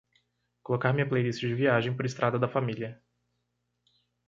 colocar minha playlist de viagem por estrada da família